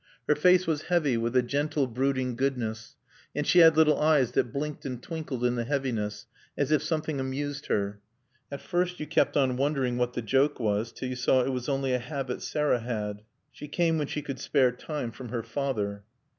Her face was heavy with a gentle, brooding goodness, and she had little eyes that blinked and twinkled in the heaviness, as if something amused her. At first you kept on wondering what the joke was, till you saw it was only a habit Sarah had. She came when she could spare time from her father.